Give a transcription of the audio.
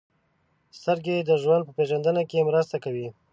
• سترګې د ژوند په پېژندنه کې مرسته کوي.